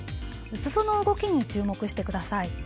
裾の動きに注目してください。